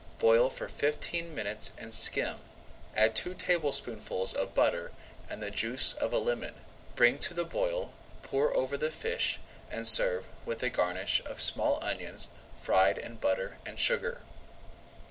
Boil for fifteen minutes and skim. Add two tablespoonfuls of butter and the juice of a lemon. Bring to the boil, pour over the fish, and serve with a garnish of small onions fried in butter and sugar.